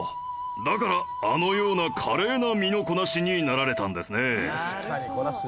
だからあのような華麗な身のこなしになられたんですね。